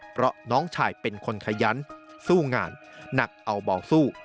เพราะน้องชายเป็นคนขยันสู้งานหนักเอาเบาสู้